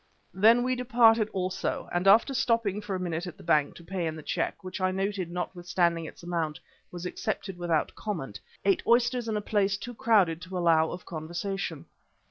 Then we departed also and, after stopping for a minute at the bank to pay in the cheque, which I noted, notwithstanding its amount, was accepted without comment, ate oysters in a place too crowded to allow of conversation.